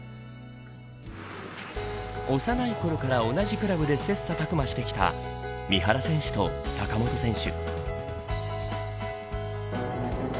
幼いころから同じクラブで切磋琢磨してきた三原選手と坂本選手。